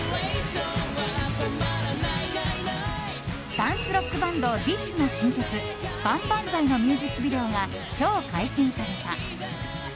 ダンスロックバンドＤＩＳＨ／／の新曲「万々歳」のミュージックビデオが今日、解禁された。